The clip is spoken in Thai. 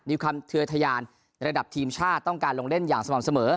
มีความเทือทะยานระดับทีมชาติต้องการลงเล่นอย่างสม่ำเสมอ